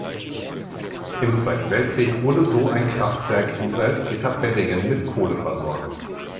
Im Zweiten Weltkrieg wurde so ein Kraftwerk in Salzgitter-Beddingen mit Kohle versorgt.